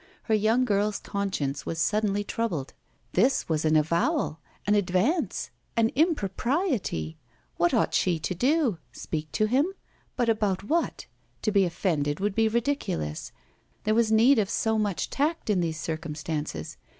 Her young girl's conscience was suddenly troubled. This was an avowal! an advance! an impropriety! What ought she to do? Speak to him? but about what? To be offended would be ridiculous. There was need of so much tact in these circumstances.